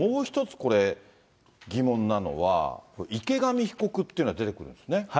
それからもう一つこれ、疑問なのは、池上被告っていうのが出てくるんですね。